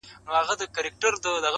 • عدالت خو به اوس دلته چلېدلای -